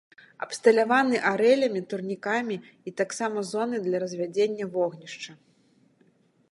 Абсталяваны арэлямі, турнікамі і таксама зонай для развядзення вогнішча.